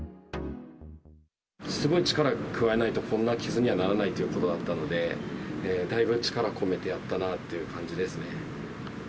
すごい力加えないと、こんな傷にはならないということだったので、だいぶ力込めてやったなっていう感じですね。